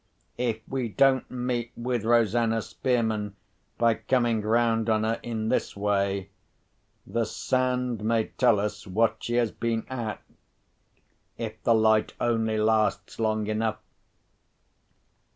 If we don't meet with Rosanna Spearman by coming round on her in this way, the sand may tell us what she has been at, if the light only lasts long enough.